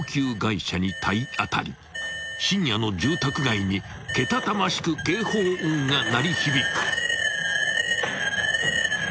［深夜の住宅街にけたたましく警報音が鳴り響く］